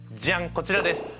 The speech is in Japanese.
こちらです。